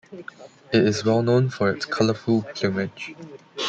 It is well-known for its colorful plumage.